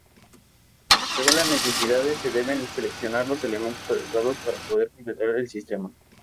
Según las necesidades se deben seleccionar los elementos adecuados para poder completar el sistema.